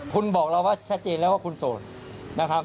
คุณบอกเราว่าชัดเจนแล้วว่าคุณโสดนะครับ